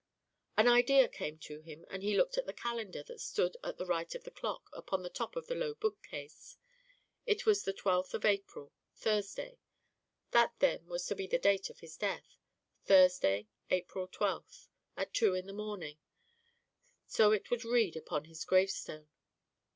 An idea came to him, and he looked at the calendar that stood at the right of the clock upon the top of the low bookcase. It was the twelfth of April, Thursday; that, then, was to be the date of his death Thursday, April twelfth, at two in the morning, so it would read upon his gravestone.